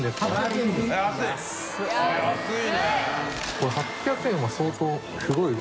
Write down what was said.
これ８００円は相当すごい。